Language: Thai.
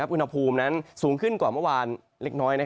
อุณหภูมินั้นสูงขึ้นกว่าเมื่อวานเล็กน้อย